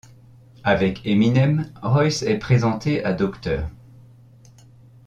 Avec Eminem, Royce est présenté à Dr.